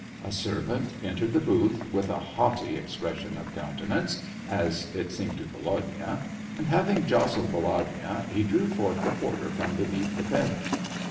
A servant entered the booth, with a haughty expression of countenance, as it seemed to Vo lodya, and, having jostled Volodya, he drew forth the porter from beneath the bench.